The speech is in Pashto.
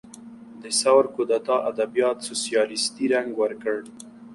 د ثور کودتا ادبیات سوسیالیستي رنګ ورکړ.